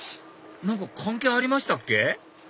何か関係ありましたっけ？